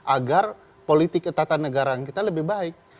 agar politik ketatan negara kita lebih baik